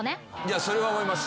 それは思います。